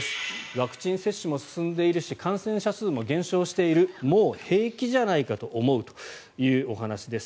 ワクチン接種も進んでいるし感染者数も減少しているもう平気じゃないかと思うというお話です。